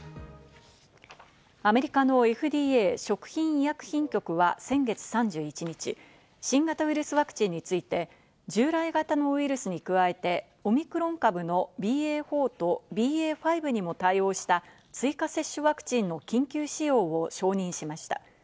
アメリカのＦＤＡ＝食品医薬品局は先月３１日、新型ウイルスワクチンについて従来型のウイルスに加えてオミクロン株のＢＡ．４とＢＡ．５にも対応した追加接種ワクチンの緊急使用を承認しました。